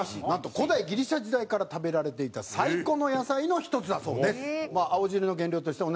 なんと古代ギリシャ時代から食べられていた最古の野菜の１つだそうです。